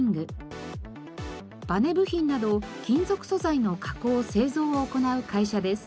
部品など金属素材の加工製造を行う会社です。